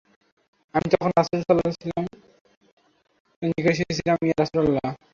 আমি তখন রাসূল সাল্লাল্লাহু আলাইহি ওয়াসাল্লামের নিকট এসে বললাম, ইয়া রাসূলাল্লাহ!